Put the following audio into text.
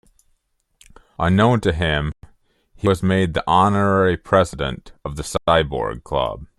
Unknown to him, he was made the honorary president of the Cyborg Club.